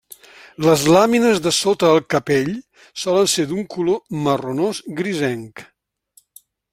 Les làmines de sota el capell solen ser d'un color marronós grisenc.